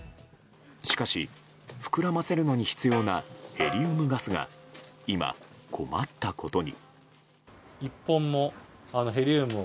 しかし、膨らませるのに必要なヘリウムガスが今、困ったことに。